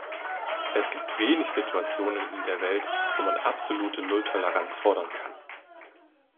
Es gibt wenig Situationen in der Welt, wo man absolute Nulltoleranz fordern kann.